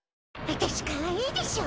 あたしかわいいでしょ？